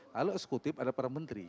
kalau eksekutif ada para menteri